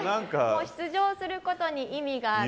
もう出場することに意味がある。